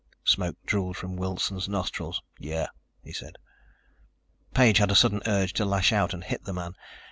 Smoke drooled from Wilson's nostrils. "Yeah," he said. Page had a sudden urge to lash out and hit the man.